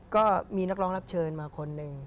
ก็มีนักร้องรับเชิญมาคนหนึ่ง